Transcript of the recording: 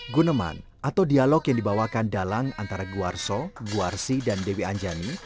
guneman atau dialog yang dibawakan dalang antara guarso guarsi dan dewi anjani